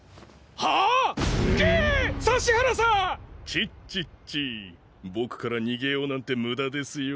チッチッチぼくからにげようなんてむだですよ。